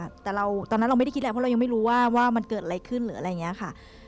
เพราะเรายังไม่รู้ว่ามันเกิดอะไรขึ้นหรืออะไรอย่างนี้ค่ะ